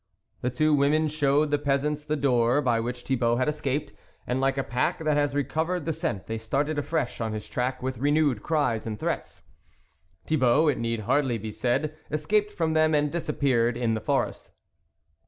The two women showed the peasants the door by which Thibault had escaped, and like a pack that has recovered the scent they started afresh on his track with renewed cries and threats. Thi bault, it need hardly be said, escaped from them and disappeared in the forest.